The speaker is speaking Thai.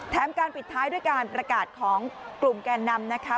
การปิดท้ายด้วยการประกาศของกลุ่มแกนนำนะคะ